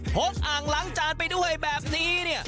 กอ่างล้างจานไปด้วยแบบนี้เนี่ย